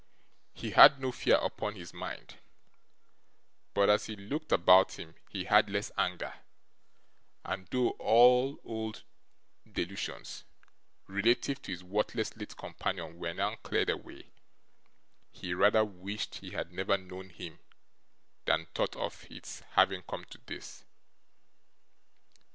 He had no fear upon his mind; but, as he looked about him, he had less anger; and though all old delusions, relative to his worthless late companion, were now cleared away, he rather wished he had never known him than thought of its having come to this.